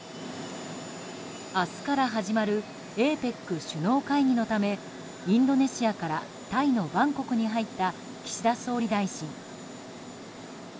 明日から始まるＡＰＥＣ首脳会議のためインドネシアからタイのバンコクに入った岸田総理大臣。